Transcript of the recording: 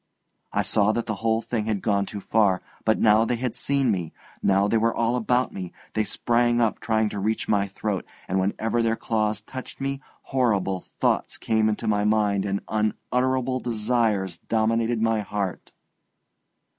I saw that the whole thing had gone too far. But now they had seen me, now they were all about me, they sprang up trying to reach my throat; and whenever their claws touched me, horrible thoughts came into my mind and unutterable desires dominated my heart.